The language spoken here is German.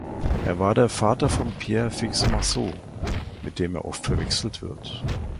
Er war der Vater von Pierre Fix-Masseau, mit dem er oft verwechselt wird.